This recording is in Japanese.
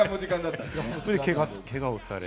けがをされて？